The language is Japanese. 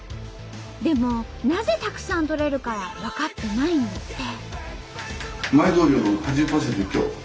でもなぜたくさん採れるかは分かってないんだって。